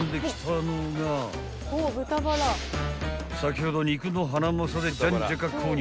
［先ほど肉のハナマサでじゃんじゃか購入］